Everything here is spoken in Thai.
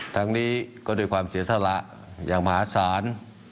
ทั้งนี้ก็ด้วยความเสียสละอย่างมหาศาล